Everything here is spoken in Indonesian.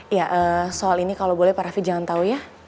ya soal ini kalau boleh pak rafi jangan tahu ya